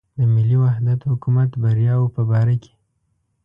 د ملي وحدت حکومت بریاوو په باره کې.